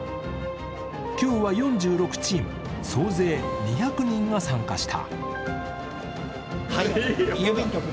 今日は４６チーム、総勢２００人が参加した。